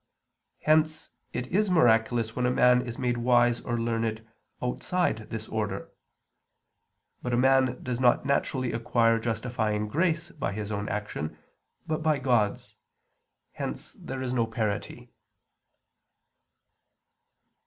Hence it is miraculous when a man is made wise or learned outside this order. But a man does not naturally acquire justifying grace by his own action, but by God's. Hence there is no parity.